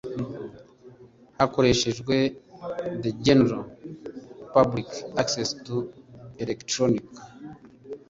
hakoreshejwe the general public access to electronic